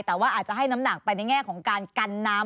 แต่ว่าอาจจะให้น้ำหนักไปในแง่ของการกันน้ำ